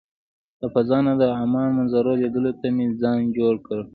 له فضا نه د عمان منظرو لیدلو ته مې ځان جوړ کړ.